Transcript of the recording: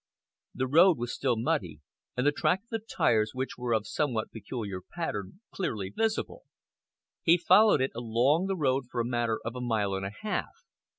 The road was still muddy, and the track of the tyres, which were of somewhat peculiar pattern, clearly visible. He followed it along the road for a matter of a mile and a half.